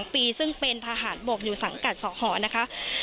๓๒ปีซึ่งเป็นทหารบกอยู่สังกัดส่อหรณ์นะครับ